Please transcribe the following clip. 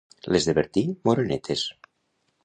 Les de Bertí, morenetes.